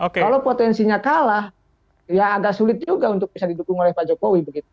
kalau potensinya kalah ya agak sulit juga untuk bisa didukung oleh pak jokowi begitu